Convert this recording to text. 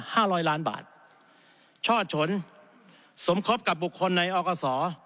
ห้าร้อยล้านบาทช่อชนสมคบกับบุคคลในอกศ